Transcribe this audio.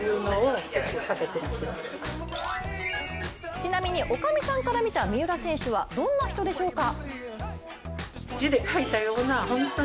ちなみにおかみさんから見た三浦選手はどんな人でしょうか？